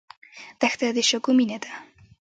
دښته د شګو مینه ده.